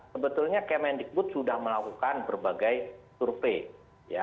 sebetulnya kemendikbud sudah melakukan berbagai survei ya